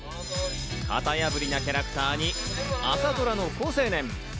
型破りなキャラクターに、朝ドラの好青年。